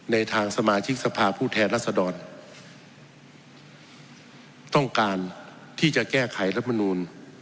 ในทางสมาชิกสภาพผู้แทนรัศดรต้องการที่จะแก้ไขรัฐมนูล